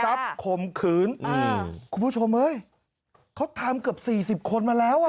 ข่มขืนอ่าคุณผู้ชมเฮ้ยเขาทำเกือบสี่สิบคนมาแล้วอ่ะ